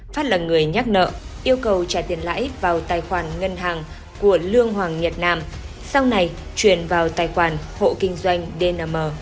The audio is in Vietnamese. phát là người nhắc nợ yêu cầu trả tiền lãi vào tài khoản ngân hàng của lương hoàng nhật nam sau này truyền vào tài khoản hộ kinh doanh dm